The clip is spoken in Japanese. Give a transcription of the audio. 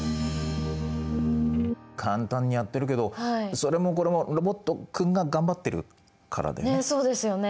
簡単にやってるけどそれもこれもロボット君が頑張ってるからだよね。